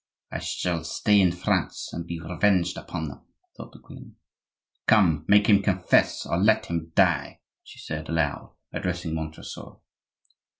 "I shall stay in France and be revenged upon them," thought the queen. "Come, make him confess, or let him die!" she said aloud, addressing Montresor.